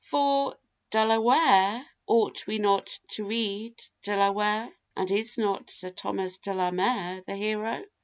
For De la Ware, ought we not to read De la Mare? and is not Sir Thomas De la Mare the hero?